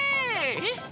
えっ？